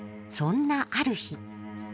そんなある日。